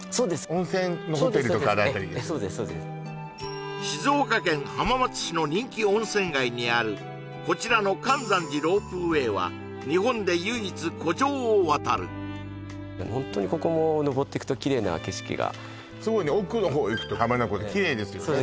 温泉のホテルとかある辺り静岡県浜松市の人気温泉街にあるこちらのかんざんじロープウェイは日本で唯一湖上を渡るホントにここも上っていくとキレイな景色がすごいね奥のほう行くと浜名湖でキレイですよね